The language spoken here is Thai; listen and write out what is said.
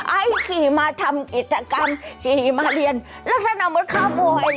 ไอซ์ขี่มาทำกิจกรรมขี่มาเรียนลักษณะหมดข้าวบ่อยเลย